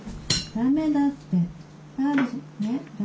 ダメだって。